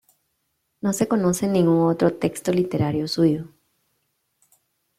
No se conoce ningún otro texto literario suyo.